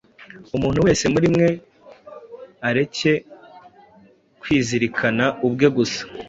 "Umuntu wese muri mwe areke kwizirikana ubwe gusa,